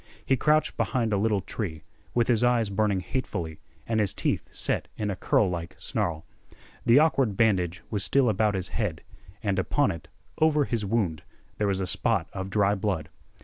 He crouched behind a little tree, with his eyes burning hatefully and his teeth set in a curlike snarl. The awkward bandage was still about his head, and upon it, over his wound, there was a spot of dry blood.